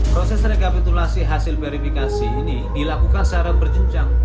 proses rekapitulasi hasil verifikasi ini dilakukan secara berjenjang